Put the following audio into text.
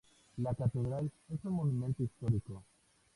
La catedral es un monumento histórico.